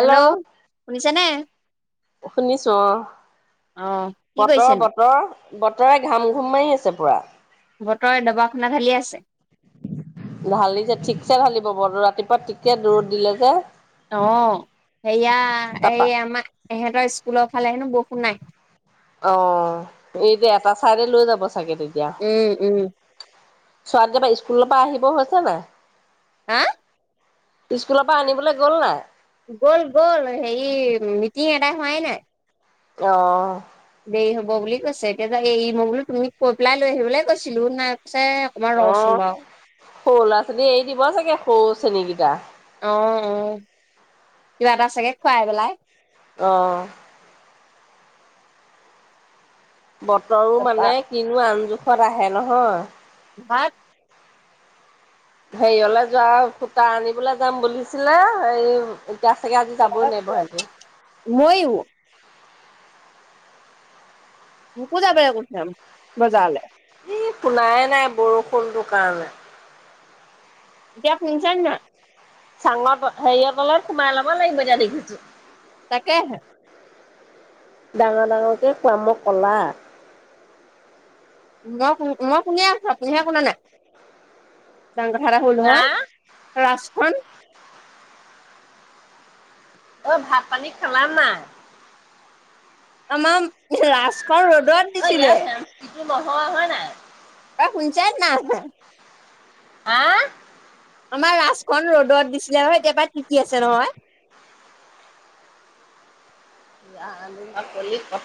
Hello শুনিছ নে? শুনিছোঁ অ। অ কি বতৰ কৰিছেনো বতৰ। বতৰে ঘাম ঘুম মাৰি আছে পুৰা। বতৰে দবাখনা ঢালি আছে। ঢালি চে ঠিকছে ঢালিব বতৰ ৰাতিপুৱা ঠিকছে ৰ'দ দিলে যে। অ, সেয়া তাপা এই আমাৰ ইহঁতৰ। ফালে হেনো বৰষুণৰ নাই। অ, এইটো এটা চাইডে লৈ যাব চাগে উম উম। চোৱা গেপা স্কুলৰ পৰা আহিব হৈছে না। [unintelligible] হা। স্কুলৰ পৰা আনিবলৈ গ'ল নাই? গ'ল গ'ল, হেৰি মিটিং এদাই হোৱাই নাই। অহ। দেৰি হ'ব বুলি কৈছে, এতিয়া এই মই বোলো তুমি কৈ পেলাই লৈ আহি বলে কৈছিলোঁ নাই। কৈছে অকণমান অ ৰচোন বাৰু। সৰু ল'ৰা ছোৱালীয়ে এৰি দিব চাগে সৰু চেনীকেইটা। অ অ, কিবা এটা চাগে খুৱাই পেলাই। অহ। বতৰো তাৰপা মানে কিনো আনজোখ। আহে নহয়। ভাত। হেৰিয়লে যোৱা সূতা আনিবলে যাম বুলিছিলে হেই। মইয়ো। মোকো যাবলে কৈছিলে বজাৰলে। এই পোনায় নাই বৰষুণটোৰ কাৰণে। এতিয়া শুনিছা নে নাই? চাঙৰ ত হেৰিয়ৰ তলত সোমাই লব লাগিব এতিয়া দেখিছো। তাকে হে ডাঙৰ ডাঙৰকে কোৱা মই ক'লা মই ক মই কোনে আছো আপুনিহে কোনা নাই ডাঙৰ কথা এটা হ'ল নহয় আহ ৰাজখন অ ভাত পানী খালা নাই আমাম ৰাজখন ৰ'দত দিছিলে বহয় হয় নাই শুনচা না আ [unintelligible] আহ [unintelligible] আমাৰ ৰাজখন ৰ'দত দিছিলে হয় একেবাই তিতি আছে নহয় বি আ [unintelligible] মকললি কক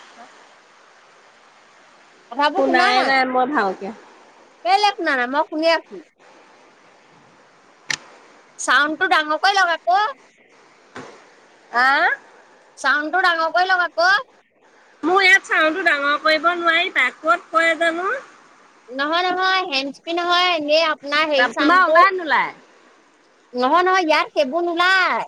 কথাবোৰ শুনা শুনাই নাই মই ভালকে কেলে শুনা নাই মই শুনি আছো চাউণ্ড টো ডাঙৰকৈ লগ আক আহ [unintelligible] চাউণ্ডটো ডাঙৰক লওঁ আকৌ মোৰ ইয়াত চাউতো ডাঙৰ কৰিব নোৱাৰি তাই ক'ত কয় জানো নহয় নহয় হেছ পি নহয় এনে তাৰ তোমাৰ ওলাই নোলাই নহয় নহয় ইয়াৰ সেইবোৰ নোলায়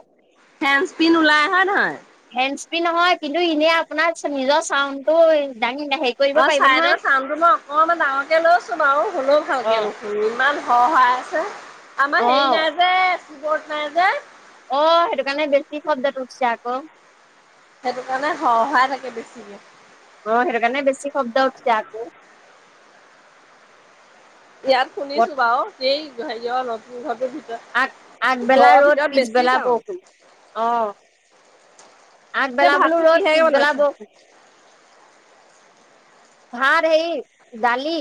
ফেনস পিন ওলাই হয় নহয় হেছ্পি নহয় কিন্তু এনে আপোনাৰ নিজৰ চাউণ্ডটো দাঙি হেৰি কৰিব অ পাৰিব নহয় চাইদৰ চাউণ্ডটো মই অকনমান ডাঙৰকে লৈছো বাৰু শুনো ভালকে নুশুনো ইমান সহায় আছে আমাৰ অ অ হেৰি নাই যে কি বত মজ [inaudible] অ সেইটো কাৰণে বেছি শব্দত উঠছে আকৌ সেইটো কাৰণে সহায় থাকে বেছিকে অ সেইটো কাৰণে বেছি শব্দ হক ইয়াত শুনিছো বাৰু এই ভাই যা ন তো ভাবে আগ আগবেলা ৰ'দ পিছবেলা চাউণ্ড। বৰষুণ অ এতিয়া আগবেলা বোলো ভাতটো ৰ'দ কিহেৰে পিছবেলা বনাইছা? বৰষুণ ভাত সেই দালি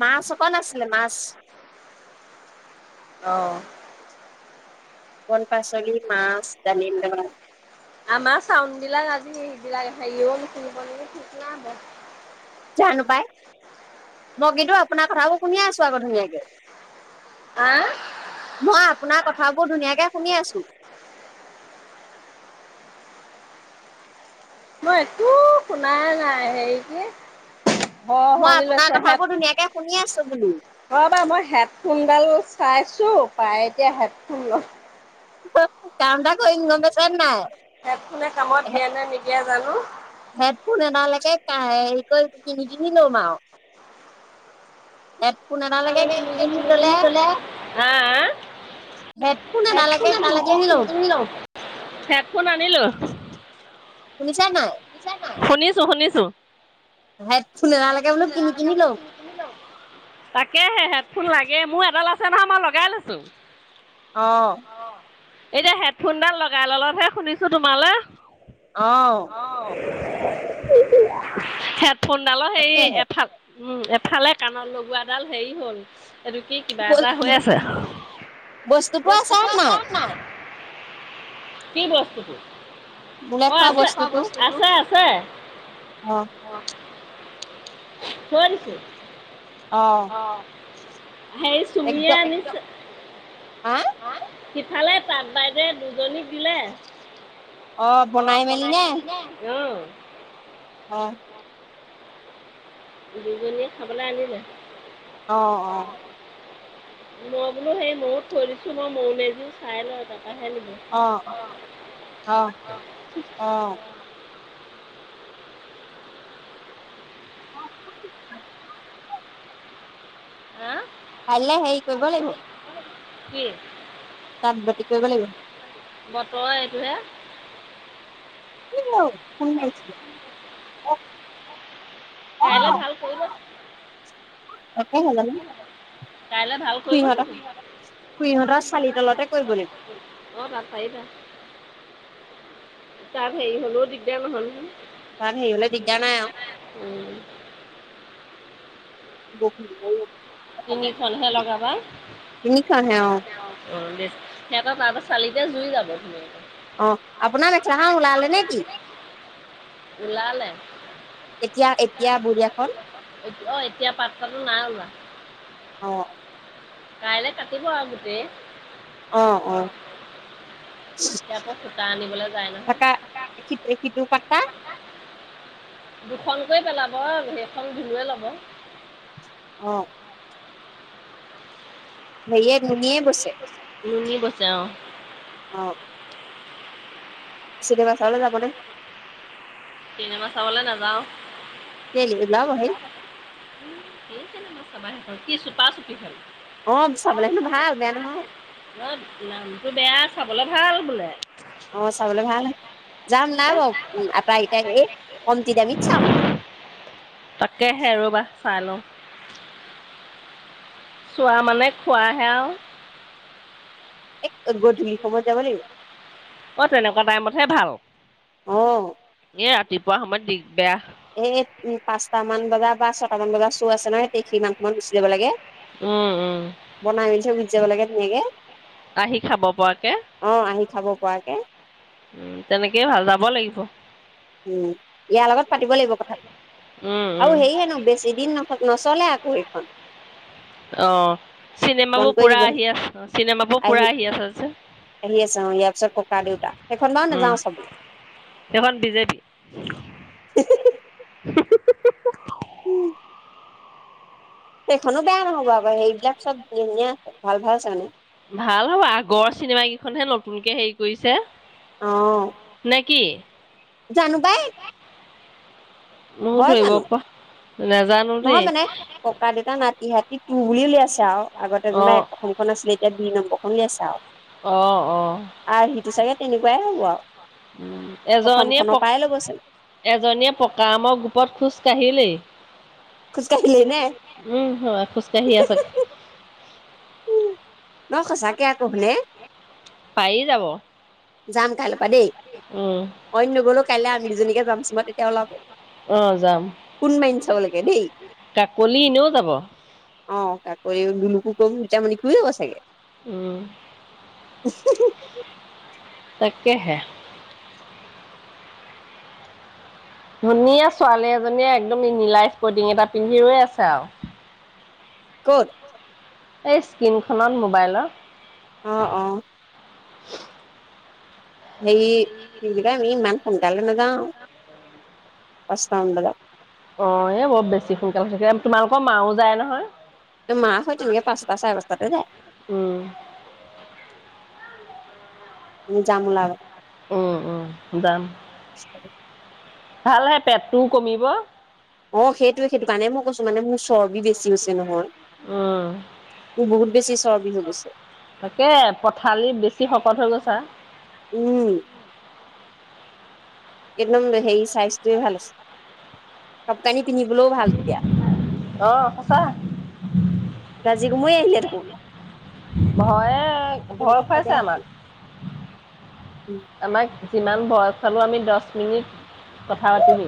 মাছ অকল আছিলে মাছ অহ কল পাচলি মাছ ডালিম দ আমাৰ চাউড বিলাক আজি সেইবিলাক হেৰিও নিকিনিব ঠিক ন হব। জানো পাই মই কিন্তু আপোনাৰ কথাবোৰ। শুনি আছো আকৌ ধুনীয়াকে, আ মই আপোনাৰ কথাবোৰ ধুনীয়াকে শুনি আছো। মই একো শুনা নাই হেৰি কি অঁ মই শৰনি আপোনাৰ লৈছো কথাবোৰ ধুনীয়াকে শুনি আছো বোলো হেড অঁ বাৰু মই হেডফোনডাল। চাইছোঁ পায় এতিয়া হেডফোন ল। কাম এটা কৰিম গম পাই ছ নাই হেডফুনে কামত দিয়া নাই নেকি। এতিয়া জানো। হেডফোন এডালৈকে হেৰি কৰি কিনি কিনি লম আৰু হেডফুন এডলকে কিনি কিনি ললে হাঁ হেডফোন নালাগে কিনি কিনিলো। হেডফোন আনিলো শুনিছা নাই শুনিছো শুনিছো। হেডফোন এডালৈকে বোলো কিনি কিনি লম তাকে হেটফোন লাগে এ মোৰ এডাল আছে নহয় মই লগাই লৈছোঁ। আহঁ। এতিয়া হেডফোনডাল লগাই ললতহে শুনিছো তোমালৈ অঁ [inaudible] ফোনডালৰ সেই তাকেহে এফাল উম এফালে কাণৰ লগোৱাডাল হেৰি হ'ল এইটো কি কিবা এটা হৈ। আছে বস্তুতো বস্তু আছে খ নাই চাওঁ ন কি বস্তুটো? বোলেই অ থোৱা আছে বস্তুটোত আছে আছে অঁ থৈ দিছো অ অঁ সেই চুমিয়ে একদম আনিছে। হা হাঁ সিফালে তাক বাইদেউয়ে দুজনীক দিলে। অ বনাই মেলি নে [unintelligible] অহ', দুজনীয়ে খাবলৈ আনিলে। অহ', -অহ', মই বোলো সেই মৌ থৈ দিছো মই মৌলে এযোৰ চাই লওঁ তাত। অ অ [unintelligible] অহ ', হহ', অ অহ', অ - অহ ', অহ [unintelligible] হা', কাইলে সেই কৰিব লাগিব। কি? তাত বৰ্তি কৰিব লাগিব। বতৰ এইটোহে। সি মোক ফোন মাৰিছিলে। অহ', কাইলৈ ভাল কৰিব। অকল হৈ যাবি ন। কাইলৈ ভাল কৰিব চাগে অহ', খুৰীহঁতৰ চালি তলতে কৰিব লাগিব তাত পাৰিবা। তাত হেৰি হ'লেও দিগদাৰ নহ'ল নহয়। কাৰণ হেৰি হ'লে দিগদাৰ নাই আৰু। উম, বৰষুণ দিব ঔ', তিনিখনহে লগাবা। অ অহ', দেচ সিহঁতৰ তাতে চালিতে জুই যাব ধুনীয়াকে। অহ', আপোনাৰ মেখেলাখন ওলালে নে কি? উলালে। এতিয়া এতিয়া বঢ়িয়াখন অহ', এতিয়া পাত্তাতো নাই ওলোৱা । অহ', কাইলৈ কাটি পোৱা গোটে। অহ', - অহ', ইয়াৰ পৰা সূতা আনিবলৈ। যায় নহয় [unintelligible] কৈ পেলাব সেইখন বিল্লুৱে ল'ব। অহ', সেয়ে নুনিয়ে বৈছে। নুনি বয়ছে অহ', অহ', যাবনে চিনেমা চাবলে নাজাও। কেলে ওলাব হেই নেযাও উম সেই তেনে চাব সে কি চোপা চুপি হ'ল অ চাবলৈ হেনো ভাল বেয়া নহয় অ নামটো বেয়া চাবলৈ ভাল বোলে অ চাবলৈ ভাল যাম না ব এহ, এটে কমতি দামিত চাম তাতকেহে আৰু বা । চাই ল ও চোৱা মানে খোৱাহে এক গধলি । অ তেনেকুৱা টাইমতহে ভাল । অহ । এ ৰাতিপুৱা সময়ত দি গদা এই পাঁচটামান বজা বা ছয়টামান বজাত চ আছে নহয় সি মমান সমমান গুচি যাব লাগে উম উম জাব লাগে ধুনীয়া কে । আহি খাব পৰাকে আহি খাব পৰাকে উ তেনেকেই ভাজাব লাগিব । উম ইয়াৰ লগত পাতিব লাগিব কথাটো উম, আৰু উম। সে হেনো বেছি দিন ন নচলে আ পৰিই পাম অ চিনেমাবোৰ কৰি পুৰা দিব হেনো। আহি আছে চিনেমাবোৰ পুৰা আহি আছে আহি আছে অ ইয়াৰ পিছত ককা দেউতা সেইখন বাৰু নাযাও চাবলৈ উম দে যাবি তেখখন নো বেয়া নহয় । সেইবিলাক চব ধুনীয়া ধুনীয়া আছে ভাল ভাল আছে মানে। ভাল হ'ব আগৰ চিনেমা কেইখনহে নতুনকে হেৰি কৰিছে। অ নে কি জানো পাই নাম্প হয় জানো নাজানো নহয় দেই মানে ককা দেতা নাতি হতি তোৰ বুলি উলিয়াই আছে আৰু আগতে যেনিবা এক অ', প্ৰথমখন আছিলে এতিয়া দুই নম্বৰখন উলিয়াইছে আৰু অ', অ'। আৰ্ সিটো চাগে। তেনেকুৱাই হ'ব আৰু। উ এজনীয়ে প্ৰথমখনৰ পকা পৰাই ল'ব চাগে এজনীয়ে পকা আমৰো। পদ খোজ কাঢ়িলেই। খোজকাঢ়িলেই নে উম হ খোজকাাঢ়ি আছে। নহৈ সচাঁই ক মানে পায় যাব। যাম খাই। প দেই উম, অন্যবোলক। কাইলৈ আন দুজনীকে যামচো ম তেয়া ওলাব। আহ যাম ফোন মাৰিম চাবলৈকে দেই কাকলি এনেও যাব। অ কাকলি ওলাই কম নিতামনি খুৰি চাগে। উম। তাকাকে হে। ধুনীয়া ছোৱালী এজনীয়ে একদম নিলাইচ কৰ্টিং এটা পিন্ধি ৰৈ আছে আৰু। কত। এই স্ক্ৰীন খত মোবাইলৰ। আহ অ। [unintelligible] সেই ই কি বুলি কয় ইমান সোনকালেই নাযাও পাচঁটা মান বজাত অঁ এ বৰত বেছি সোনকালে তোমালোকৰ মাওঁ যায় নহয়। ত মা হয় তে এনেকে পাঁচটা চাৰ পাঁচাতে যায়। উম, যাম ওলাব উম উম যাম। ভাল হে পেটটোও কমিব। অঁ সেইটোৱে সেইটোৱেই কাৰণে মই কৈছো মানেই। উম মোৰ বহুত বেছি চৰ্বি হৈ গৈছে তাকে পথালি বেছি শকত হৈ গৈছে। চা উম একদম হে চাইজটোৱে ভাল আছে চব কানি। কিনিবলৈও ভাল তেতিয়া অ', সঁচা কাজ কমৈ আহিলে থাকো ভয়ে ভয় খুৱাইছে আমাক, উম আমাক যিমান ভয় পালো আমি দছ মিনিট কথা পাতিম।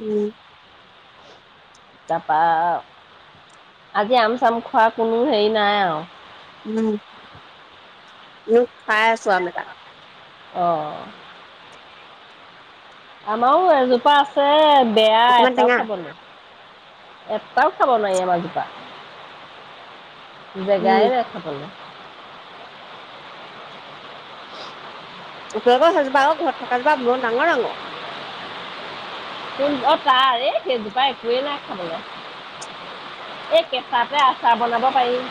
উম তাৰাপৰা আজি আম চাম খোৱা কোনো হেৰি নাই আৰু উম। ন খাই আছো আম এটা অঁ আমাৰো এজোপা আছে বেয়া অকমান এটাও টেঙা খাব নাই এটাও খাব নাই এমজোপা উম জেগাই দেখা পালে [inaudible] সেইজোপা অ ঘৰত থকা জোপা বৰ ডাঙৰ ডাঙৰ ম অ তাৰ এই সেইজোপা একোৱেই নাই খাবলৈ এই কেঁচাতে আচাৰ বনাব পাৰিম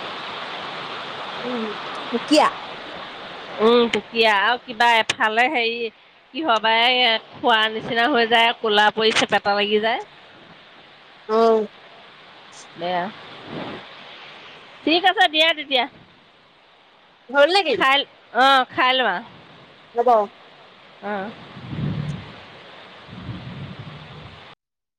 উম মুখিয় [inaudible] উম পোকীয়া আৰু কিবা এফালে হেৰি কি হ বা এই খোৱা নিচিনা হৈ যায় ক'লা পৰি চেপেটা লাগি যায় । অ দে ঠিক আছে দিয়া তেতিয়া ঘৰ লাগিল খাই অ খাই লোৱা । অ । আহ [inaudible]